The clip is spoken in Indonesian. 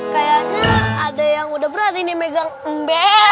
kayaknya ada yang udah berani nih megang embe